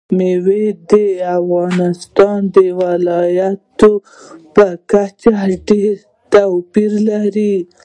مېوې د افغانستان د ولایاتو په کچه ډېر توپیر لري.